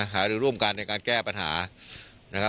หารือร่วมกันในการแก้ปัญหานะครับ